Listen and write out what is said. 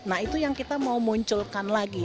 nah itu yang kita mau munculkan lagi